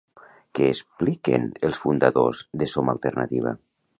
Què expliquen els fundadors de Som Alternativa?